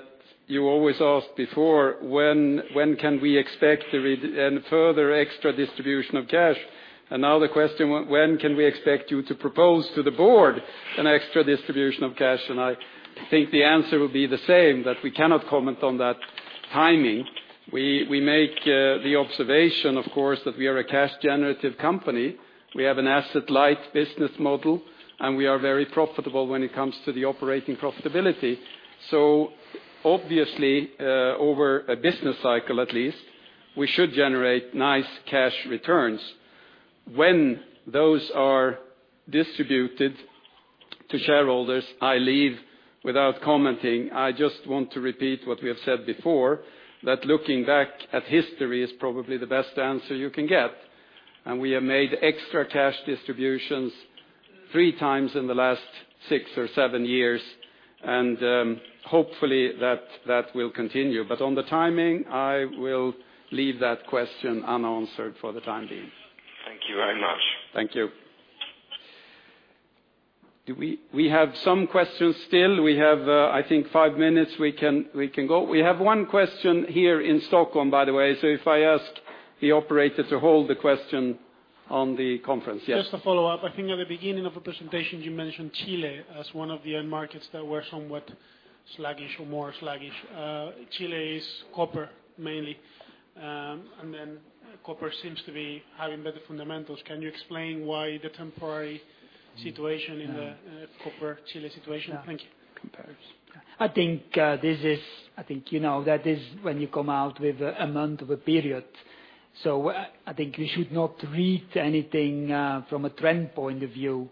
[SPEAKER 1] you always asked before, when can we expect a further extra distribution of cash? Now the question, when can we expect you to propose to the board an extra distribution of cash? I think the answer will be the same, that we cannot comment on that timing. We make the observation, of course, that we are a cash generative company. We have an asset-light business model, and we are very profitable when it comes to the operating profitability. Obviously, over a business cycle at least, we should generate nice cash returns. When those are distributed to shareholders, I leave without commenting. I just want to repeat what we have said before, that looking back at history is probably the best answer you can get. We have made extra cash distributions three times in the last six or seven years, and hopefully that will continue. On the timing, I will leave that question unanswered for the time being. Thank you very much.
[SPEAKER 2] Thank you.
[SPEAKER 1] We have some questions still. We have, I think five minutes we can go. We have one question here in Stockholm, by the way. If I ask the operator to hold the question on the conference. Yes.
[SPEAKER 7] Just a follow-up. I think at the beginning of the presentation, you mentioned Chile as one of the end markets that were somewhat sluggish or more sluggish. Chile is copper mainly. Then copper seems to be having better fundamentals. Can you explain why the temporary situation in the copper Chile situation? Thank you.
[SPEAKER 2] Yeah. Comparisons. I think you know that is when you come out with a month of a period. I think we should not read anything from a trend point of view,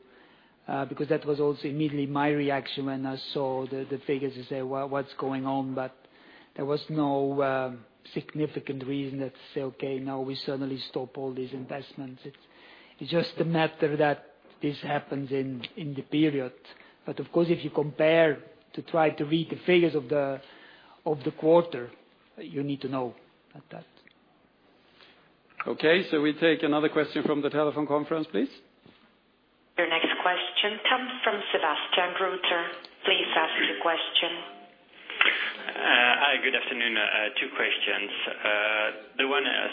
[SPEAKER 2] because that was also immediately my reaction when I saw the figures to say, "Well, what's going on?" There was no significant reason that say, "Okay, now we suddenly stop all these investments." It's just a matter that this happens in the period. Of course, if you compare to try to read the figures of the quarter, you need to know about that.
[SPEAKER 1] Okay. We take another question from the telephone conference, please.
[SPEAKER 3] Your next question comes from Sebastian Kuenne. Please ask your question.
[SPEAKER 5] Hi, good afternoon. Two questions.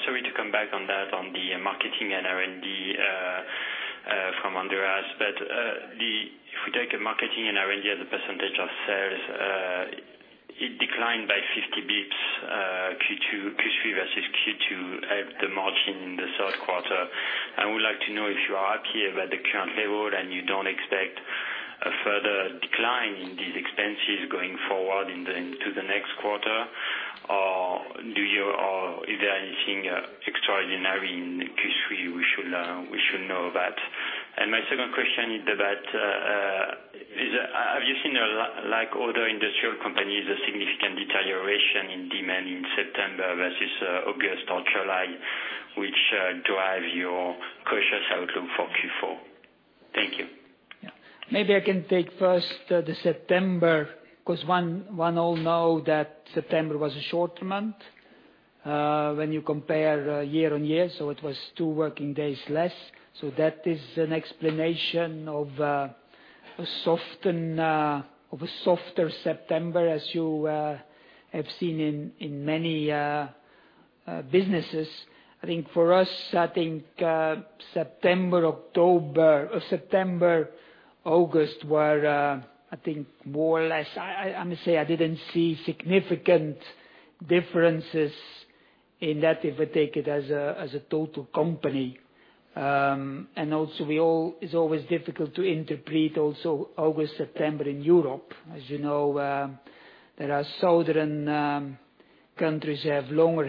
[SPEAKER 5] Sorry to come back on that on the marketing and R&D from Andreas, if we take a marketing and R&D as a percentage of sales, it declined by 50 basis points Q3 versus Q2 at the margin in the third quarter. I would like to know if you are happy about the current level, you don't expect a further decline in these expenses going forward into the next quarter. Is there anything extraordinary in Q3 we should know about? My second question is about, have you seen, like other industrial companies, a significant deterioration in demand in September versus August or July, which drive your cautious outlook for Q4? Thank you.
[SPEAKER 2] Maybe I can take first the September, because one all know that September was a shorter month, when you compare year-on-year, it was two working days less. That is an explanation of a softer September as you have seen in many businesses. I think for us, September, October or September, August were more or less, I must say I didn't see significant differences in that if I take it as a total company. Also it's always difficult to interpret also August, September in Europe. As you know, there are southern countries have longer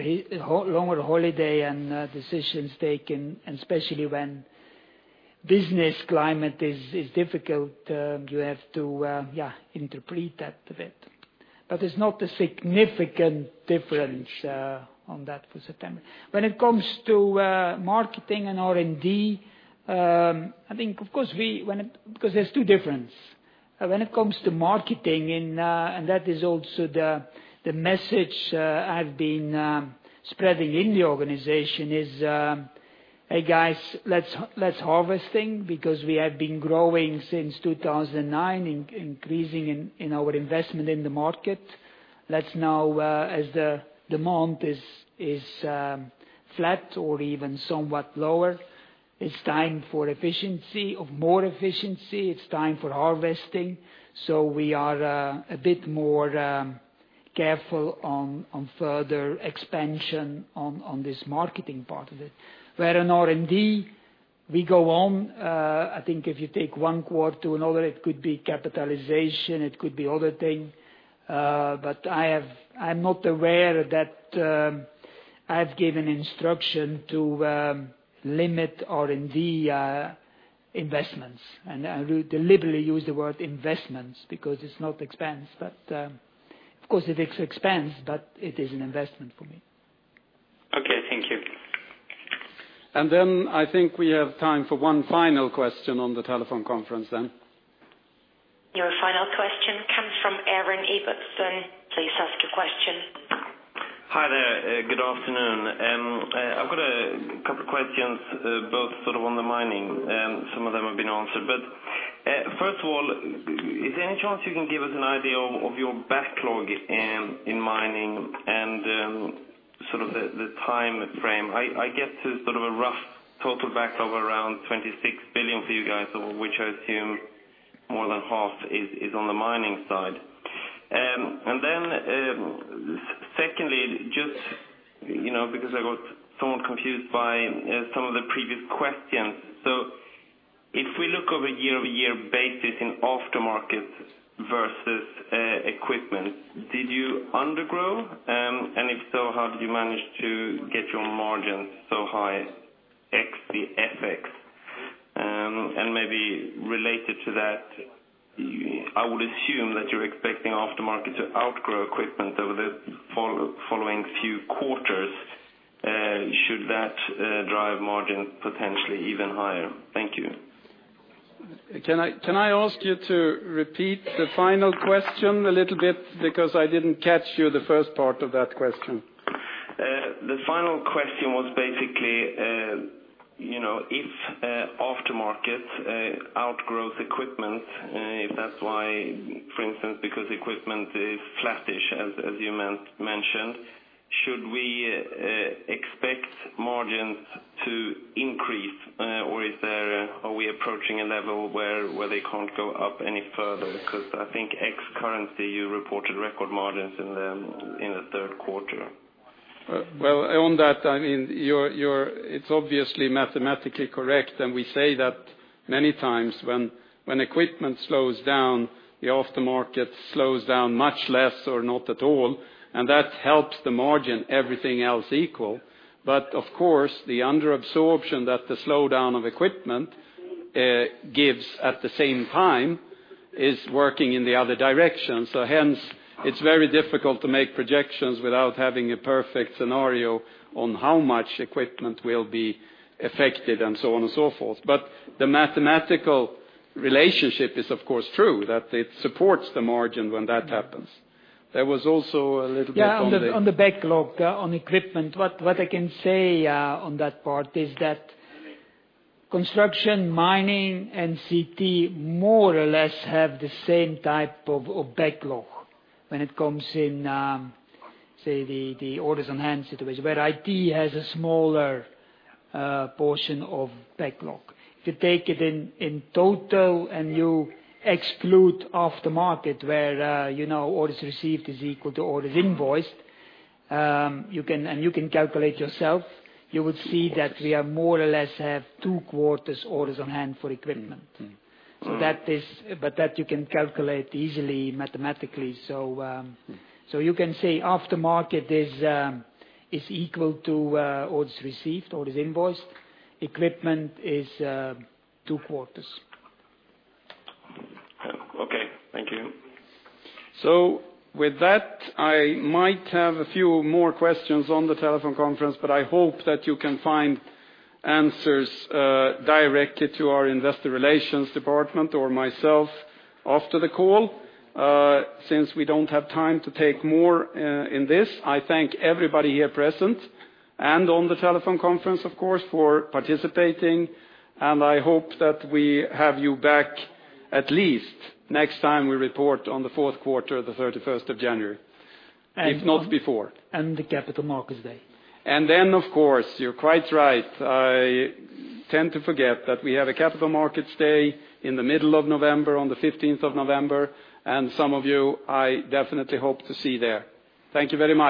[SPEAKER 2] holiday and decisions taken, and especially when business climate is difficult, you have to interpret that a bit. It's not a significant difference on that for September. When it comes to marketing and R&D, I think, of course there's two difference. When it comes to marketing and that is also the message I've been spreading in the organization is, "Hey guys, let's harvesting because we have been growing since 2009, increasing in our investment in the market." Let's now, as the demand is flat or even somewhat lower, it's time for more efficiency. It's time for harvesting. We are a bit more careful on further expansion on this marketing part of it. Where in R&D, we go on. I think if you take one quarter to another, it could be capitalization, it could be other thing. I'm not aware that I've given instruction to limit R&D investments. I deliberately use the word investments because it's not expense. Of course, it is expense, but it is an investment for me.
[SPEAKER 5] Okay, thank you.
[SPEAKER 1] I think we have time for one final question on the telephone conference.
[SPEAKER 3] Your final question comes from Aaron Jacobson. Please ask your question.
[SPEAKER 5] Hi there. Good afternoon. I've got a couple questions, both sort of on the mining, some of them have been answered. First of all, is there any chance you can give us an idea of your backlog in mining and sort of the timeframe? I get to sort of a rough total backlog of around 26 billion for you guys, which I assume more than half is on the mining side. Secondly, just because I got somewhat confused by some of the previous questions. If we look over year-over-year basis in aftermarket versus equipment, did you undergrow? If so, how did you manage to get your margins so high ex the FX? Maybe related to that, I would assume that you're expecting aftermarket to outgrow equipment over the following few quarters. Should that drive margin potentially even higher? Thank you.
[SPEAKER 1] Can I ask you to repeat the final question a little bit because I didn't catch you the first part of that question?
[SPEAKER 5] The final question was basically, if aftermarket outgrows equipment, if that's why, for instance, because equipment is flattish, as you mentioned, should we expect margins to increase? Or are we approaching a level where they can't go up any further? Because I think ex currency, you reported record margins in the third quarter.
[SPEAKER 1] Well, on that, it's obviously mathematically correct, and we say that many times when equipment slows down, the aftermarket slows down much less or not at all, and that helps the margin, everything else equal. Of course, the under absorption that the slowdown of equipment gives at the same time is working in the other direction. Hence, it's very difficult to make projections without having a perfect scenario on how much equipment will be affected, and so on and so forth. The mathematical relationship is, of course, true, that it supports the margin when that happens.
[SPEAKER 2] Yeah, on the backlog on equipment, what I can say on that part is that Construction, Mining, and CT more or less have the same type of backlog when it comes in, say, the orders on hand situation where IT has a smaller portion of backlog. If you take it in total and you exclude aftermarket, where orders received is equal to orders invoiced, and you can calculate yourself, you would see that we are more or less have two quarters orders on hand for equipment. That you can calculate easily mathematically. You can say aftermarket is equal to orders received, orders invoiced. Equipment is two quarters.
[SPEAKER 5] Okay. Thank you.
[SPEAKER 1] With that, I might have a few more questions on the telephone conference, but I hope that you can find answers directly to our Investor Relations department or myself after the call. Since we don't have time to take more in this, I thank everybody here present and on the telephone conference, of course, for participating, and I hope that we have you back at least next time we report on the fourth quarter, the 31st of January, if not before.
[SPEAKER 2] The Capital Markets Day.
[SPEAKER 1] Of course, you're quite right. I tend to forget that we have a Capital Markets Day in the middle of November, on the 15th of November, and some of you I definitely hope to see there. Thank you very much